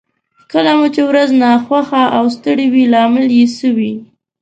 کله مو چې ورځ ناخوښه او ستړې وي لامل يې څه وي؟